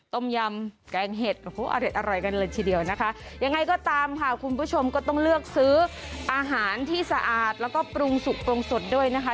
ต้มยำแกงเห็ดโอ้โหเอาอะไรกันเลยซีเดียวนะคะอย่างนั้นก็ตามขาของผู้ชมก็ต้องเลือกซื้ออาหารที่สะอาดแล้วก็ปรุงสุกพรุงสดน้ำนะคะ